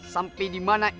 sampai dimana ini